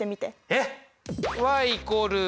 えっ。